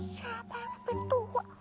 siapa yang sampai tua